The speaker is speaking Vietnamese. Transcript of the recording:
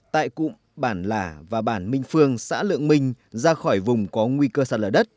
tại cụm bản lả và bản minh phương xã lượng minh ra khỏi vùng có nguy cơ sạt lở đất